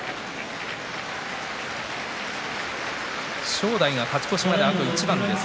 正代が勝ち越しまであと一番です。